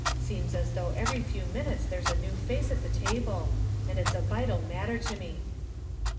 Seems as though every few minutes there's a new face at the table, and it's a vital matter to me."